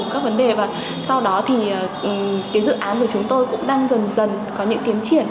các vấn đề và sau đó thì cái dự án của chúng tôi cũng đang dần dần có những tiến triển